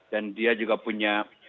dan dia juga punya